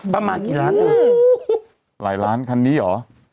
ประมาณกี่ล้านอ่ะหลายล้านคันนี้เหรอ